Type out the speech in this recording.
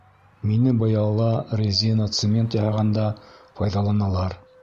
Мине быяла, резина, цемент яһағанда файҙаланалар.